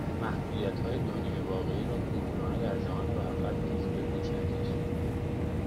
محدودیتهای دنیای واقعی را کورکورانه در جهان برخط نیز به دوش نکشیم